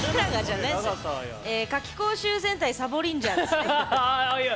「夏期講習戦隊サボリンジャー」ですね。